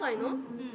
うん。